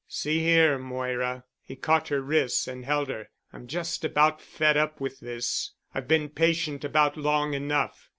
See here, Moira," he caught her wrists and held her, "I'm just about fed up with this. I've been patient about long enough.